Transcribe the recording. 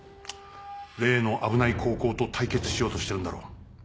例の危ない高校と対決しようとしてるんだろ。